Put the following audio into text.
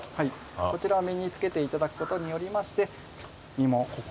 こちら身に着けていただくことによりまして身も心も美しく。